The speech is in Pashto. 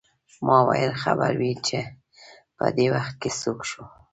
ما ویل خیر وې چې پدې وخت څوک شو.